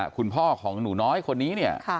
คุณพ่อของหนูน้อยคนนี้เนี่ย